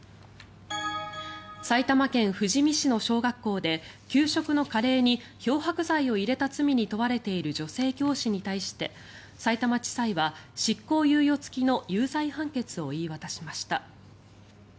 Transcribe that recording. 埼玉県富士見市の小学校で給食のカレーに漂白剤を入れた罪に問われている女性教師に対してさいたま地裁は執行猶予付きの有罪判決を言い渡しました。